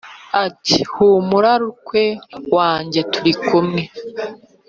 ati humura ruukwe wanjye turi kumwe